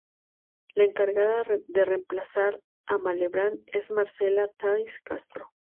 La encargada de reemplazar a Malebrán es Marcela "Thais" Castro.